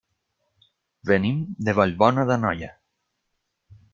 Venim de Vallbona d'Anoia.